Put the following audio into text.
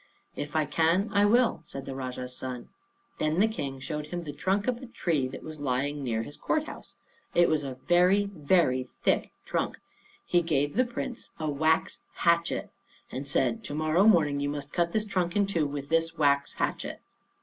"If I can, I will," said the Rajah's son. Then the King showed him the trunk of a tree that was lying near his court house. It was a very, very thick trunk. He gave the Prince a wax hatchet, and said, "To morrow morning you must cut this trunk in two with this wax hatchet."